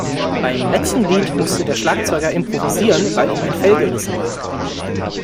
Beim letzten Lied musste der Schlagzeuger improvisieren, weil ihm ein Fell gerissen war.